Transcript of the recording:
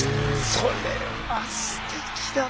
それはすてきだな。